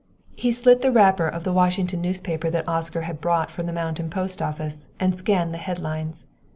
He slit the wrapper of the Washington newspaper that Oscar had brought from the mountain post office and scanned the head lines.